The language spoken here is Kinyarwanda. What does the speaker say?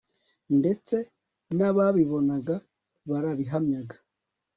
ndetse nababibonaga barabihamyaga